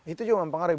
itu juga mempengaruhi